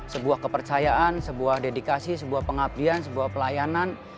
sebuah kepercayaan sebuah dedikasi sebuah pengabdian sebuah pelayanan